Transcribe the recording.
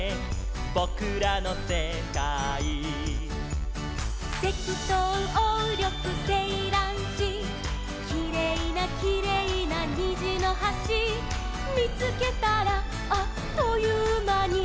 「ぼくらのせかい」「セキトウオウリョクセイランシ」「きれいなきれいなにじのはし」「みつけたらあっというまに」